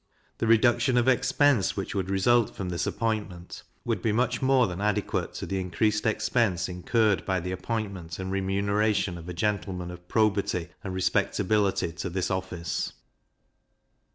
The reduction of expense which would result from this appointment would be much more than adequate to the increased expense incurred by the appointment and remuneration of a gentleman of probity and respectability to this office.